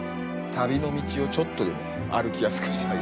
旅の道をちょっとでも歩きやすくしてあげる。